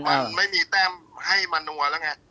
มันไม่มีแต้มให้มานัวแล้วไง